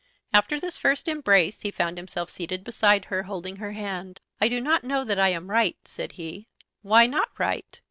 After this first embrace he found himself seated beside her, holding her hand. "I do not know that I am right," said he. "Why not right?"